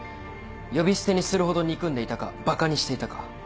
呼び捨てにするほど憎んでいたかバカにしていたか。